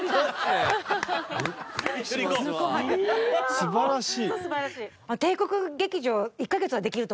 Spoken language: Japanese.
素晴らしい。